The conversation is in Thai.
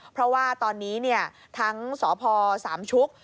เพราะว่าตอนนี้ทั้งสพสามชุก